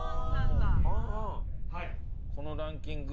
このランキング